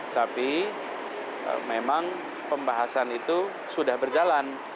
tapi memang pembahasan itu sudah berjalan